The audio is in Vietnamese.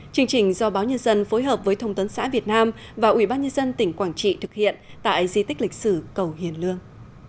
chương trình do báo nhân dân phối hợp với thông tấn xã việt nam và ủy ban nhân dân tỉnh quảng trị thực hiện tại di tích lịch sử cầu hiền lương